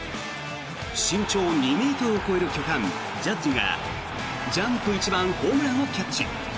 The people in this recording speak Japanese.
身長２ｍを超える巨漢ジャッジがジャンプ一番ホームランをキャッチ。